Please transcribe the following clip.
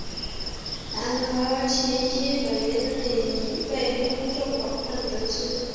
然而其基本原理已被公众广泛得知。